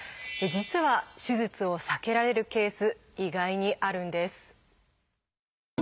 実は手術を避けられるケース意外にあるんです。